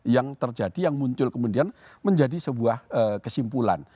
yang terjadi yang muncul kemudian menjadi sebuah kesimpulan